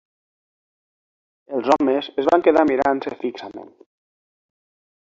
Els homes es van quedar mirant-se fixament.